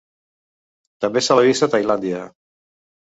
També se l'ha vist a Tailàndia.